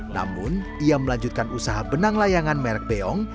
namun ia melanjutkan usaha benang layangan merek beong